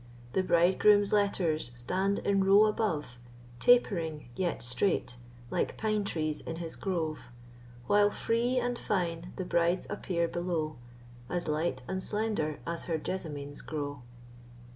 The bridegroom's letters stand in row above, Tapering, yet straight, like pine trees in his grove; While free and fine the bride's appear below, As light and slender as her jessamines grow.